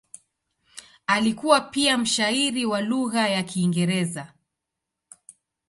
Alikuwa pia mshairi wa lugha ya Kiingereza.